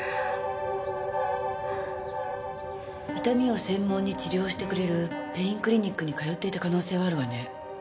痛みを専門に治療してくれるペインクリニックに通っていた可能性はあるわね。